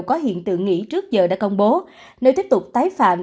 có hiện tượng nghỉ trước giờ đã công bố nơi tiếp tục tái phạm